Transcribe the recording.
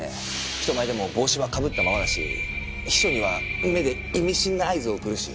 人前でも帽子はかぶったままだし秘書には目で意味深な合図を送るし。